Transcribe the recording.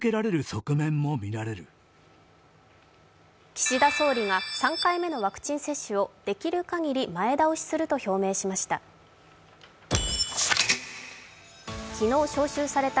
岸田総理が３回目のワクチン接種をできるかぎり前倒しすると表明しました。